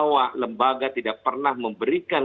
bahwa lembaga tidak pernah mencari kebijakan